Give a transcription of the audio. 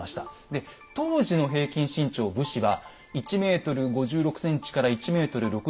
で当時の平均身長武士は１ｍ５６ｃｍから１ｍ６７ｃｍなんですって。